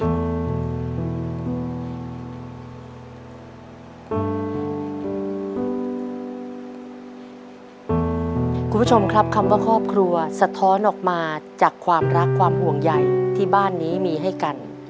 คุณผู้ชมครับคำว่าครอบครัวสะท้อนออกมาจากความรักความห่วงใหญ่ที่บ้านนี้มีให้กัน